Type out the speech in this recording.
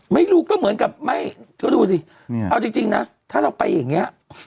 ไม่รู้ก็เหมือนกับไม่ก็ดูสิเอาจริงนะถ้าเราไปอย่างนี้